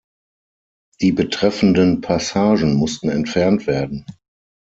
Die betreffenden Passagen mussten entfernt werden.